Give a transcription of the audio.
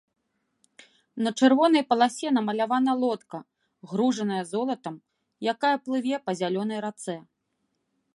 На чырвонай паласе намалявана лодка, гружаная золатам, якая плыве па зялёнай рацэ.